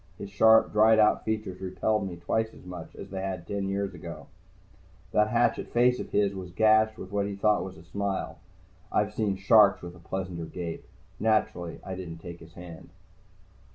His sharp, dried out features repelled me twice as much as they had ten years before. That hatchet face of his was gashed with what he thought was a smile. I've seen sharks with a pleasanter gape. Naturally, I didn't take his hand.